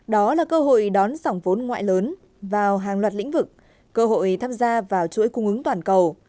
đó là cơ hội đón dòng vốn ngoại lớn vào hàng loạt lĩnh vực cơ hội tham gia vào chuỗi cung ứng toàn cầu